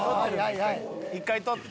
「一回取って」